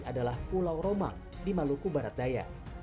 adalah pulau romang di maluku barat daya